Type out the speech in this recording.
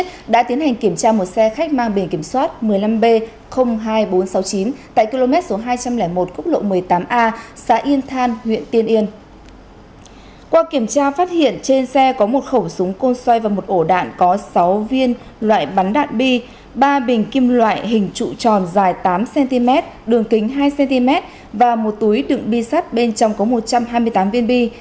trong kiểm tra phát hiện trên xe có một khẩu súng côn xoay và một ổ đạn có sáu viên loại bắn đạn bi ba bình kim loại hình trụ tròn dài tám cm đường kính hai cm và một túi đựng bi sắt bên trong có một trăm hai mươi tám viên bi